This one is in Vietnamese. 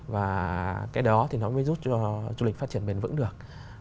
và cái đó thì nó mới giúp cho du lịch phát triển bền vững được